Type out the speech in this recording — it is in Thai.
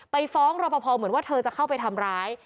ไปฟ้องรอปภเหมือนว่าเธอจะเข้าไปทำร้าย